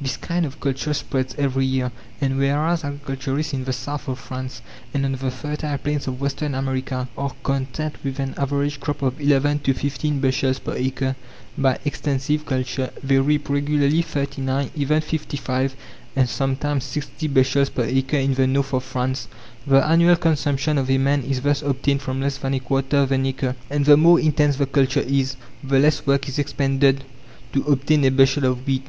This kind of culture spreads every year, and whereas agriculturists in the south of France and on the fertile plains of western America are content with an average crop of 11 to 15 bushels per acre by extensive culture, they reap regularly 39, even 55, and sometimes 60 bushels per acre in the north of France. The annual consumption of a man is thus obtained from less than a quarter of an acre. And the more intense the culture is, the less work is expended to obtain a bushel of wheat.